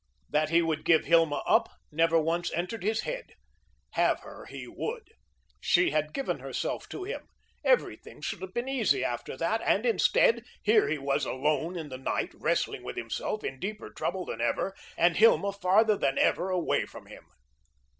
That he would give Hilma up, never once entered his head. Have her he would. She had given herself to him. Everything should have been easy after that, and instead, here he was alone in the night, wrestling with himself, in deeper trouble than ever, and Hilma farther than ever away from him.